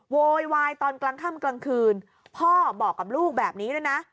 โวยวายตอนกลางค่ำกลางคืนพ่อบอกกับลูกแบบนี้ด้วยนะ